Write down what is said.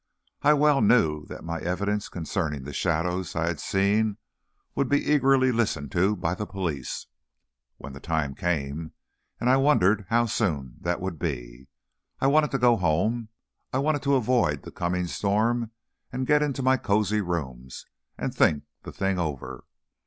I well knew that my evidence concerning the shadows I had seen would be eagerly listened to by the police, when the time came, and I wondered how soon that would be. I wanted to go home. I wanted to avoid the coming storm and get into my cozy rooms, and think the thing over.